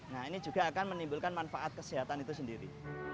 nah ini juga akan menimbulkan manfaat kesehatan itu sendiri